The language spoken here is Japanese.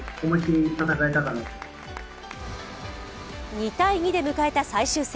２−２で迎えた最終戦。